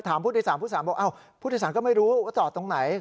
ผู้โดยสารผู้สารบอกอ้าวผู้โดยสารก็ไม่รู้ว่าจอดตรงไหน